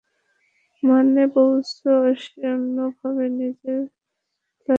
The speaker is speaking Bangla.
মানে, বলছো, সে অন্যভাবে নিজের খায়েশ মেটায়?